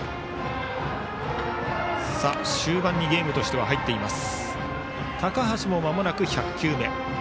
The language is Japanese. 終盤にゲームとしては入っています。